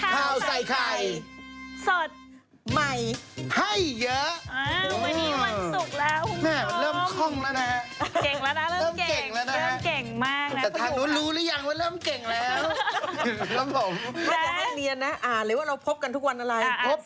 ข้าวใส่ไข่สดใหม่ให้เยอะสวัสดีครับข้าวใส่ไข่สดใหม่ให้เยอะ